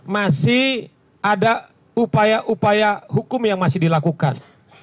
masih ada upaya upaya hukum yang masih dilakukan